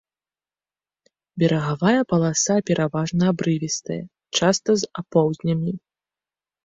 Берагавая паласа пераважна абрывістая, часта з апоўзнямі.